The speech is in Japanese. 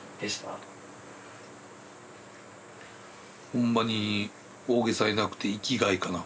ほんまに大げさやなくて生きがいかな。